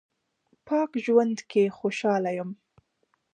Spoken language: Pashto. پاک ژوند کې خوشاله یم